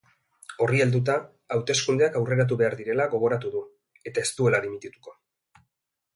Horri helduta, hauteskundeak aurreratu behar direla gogoratu du eta ez duela dimitituko.